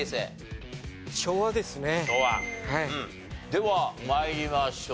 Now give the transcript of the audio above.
では参りましょう。